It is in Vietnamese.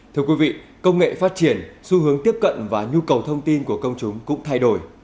thưa quý vị công nghệ phát triển xu hướng tiếp cận và nhu cầu thông tin của công chúng cũng thay đổi